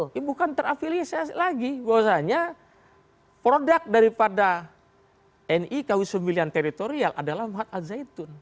ini bukan terafiliasi lagi bahwasanya produk daripada ni kawi sembilan teritorial adalah mahat al zaitun